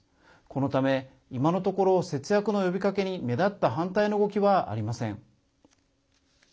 このため、今のところ節約の呼びかけに目立った反対の動きはありません。